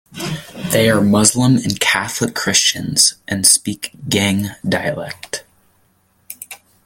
They are Muslim and Catholic Christians and speak Gheg dialect.